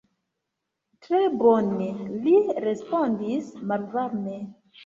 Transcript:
Tre bone, li respondis malvarme.